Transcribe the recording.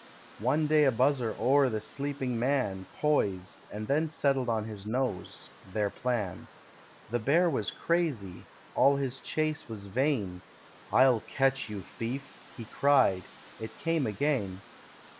One day a buzzer o'er the sleeping man Poised, and then settled on his nose, their plan. The Bear was crazy: all his chase was vain; "I'll catch you, thief!" he cried: it came again.